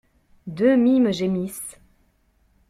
Deux mimes gémissent.